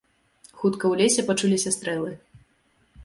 Хутка у лесе пачуліся стрэлы.